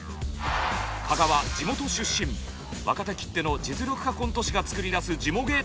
加賀は地元出身若手きっての実力派コント師が作り出すジモ芸とは。